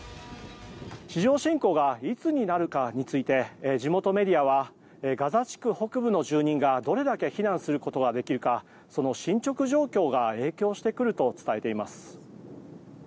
地上侵攻がいつになるかについて地元メディアはガザ地区北部の住人がどれだけ避難することができるかその進捗状況が影響してくると伝えています。